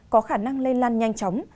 có khả năng lây lan nhanh chóng